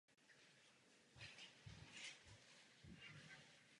Byl otcem dvou dětí.